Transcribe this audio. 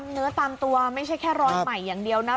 เนื้อตามตัวไม่ใช่แค่รอยใหม่อย่างเดียวนะ